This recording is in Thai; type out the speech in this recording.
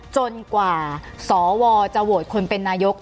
จนกว่าสวจะโหวตคนเป็นนายก